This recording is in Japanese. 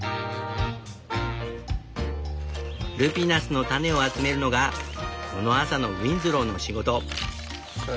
ルピナスの種を集めるのがこの朝のウィンズローの仕事。